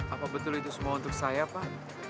apa betul itu semua untuk saya pak